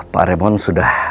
pak raymond sudah